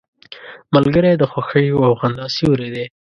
ملګری د خوښیو او خندا سیوری دی